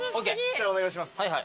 じゃあお願いします。